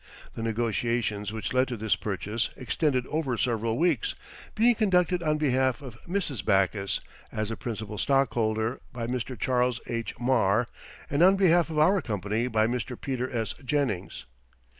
The negotiations which led to this purchase extended over several weeks, being conducted on behalf of Mrs. Backus, as the principal stockholder, by Mr. Charles H. Marr, and on behalf of our company by Mr. Peter S. Jennings.